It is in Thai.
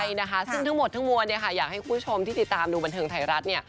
ใช่นะคะซึ่งทั้งหมดทั้งมวลคุณผู้ชมถึงติดตามดูบันเทิงไทยรัฐ